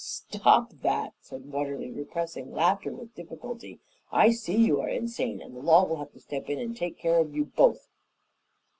"Stop that!" said Watterly, repressing laughter with difficulty. "I see you are insane and the law will have to step in and take care of you both."